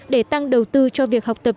để tăng đầu tư cho việc học tập